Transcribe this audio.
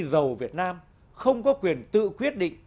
dầu việt nam không có quyền tự quyết định